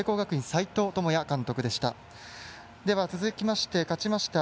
斎藤智也監督でした。